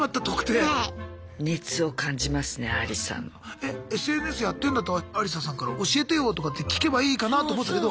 えＳＮＳやってんだったらアリサさんから教えてよとかって聞けばいいかなと思ったけど。